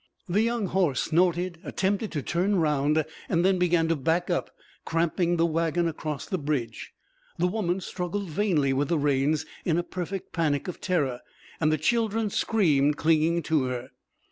The young horse snorted, attempted to turn round, and then began to back up, cramping the wagon across the bridge. The woman struggled vainly with the reins, in a perfect panic of terror, and the children screamed, clinging to her.